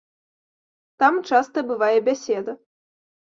Там часта бывае бяседа.